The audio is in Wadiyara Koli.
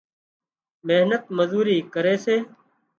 محنت مزوري ڪري سي